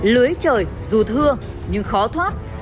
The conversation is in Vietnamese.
lưới trời dù thưa nhưng khó thoát